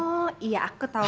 oh iya aku tau